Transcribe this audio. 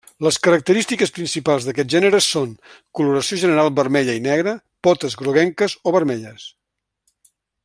Les característiques principals d'aquest gènere són: coloració general vermella i negra, potes groguenques o vermelles.